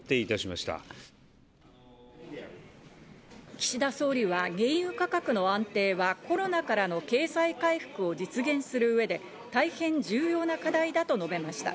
岸田総理は原油価格の安定はコロナからの経済回復を実現する上で大変重要な課題だと述べました。